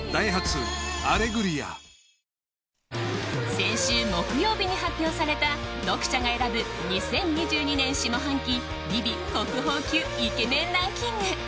先週木曜日に発表された読者が選ぶ２０２２年下半期「ＶｉＶｉ」国宝級イケメンランキング。